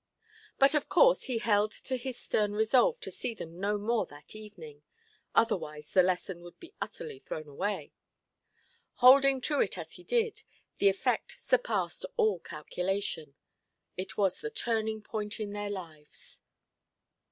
But, of course, he held to his stern resolve to see them no more that evening, otherwise the lesson would be utterly thrown away. Holding to it as he did, the effect surpassed all calculation. It was the turning–point in their lives.